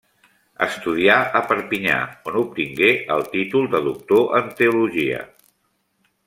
Estudià a Perpinyà, on obtingué el títol de Doctor en Teologia.